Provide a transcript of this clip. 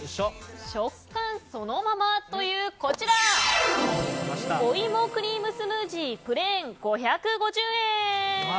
食感そのまま！というオイモクリームスムージープレーン、５５０円。